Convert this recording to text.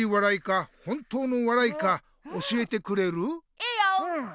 いいよ！